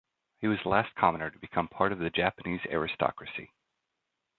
He was the last commoner to become part of the Japanese aristocracy.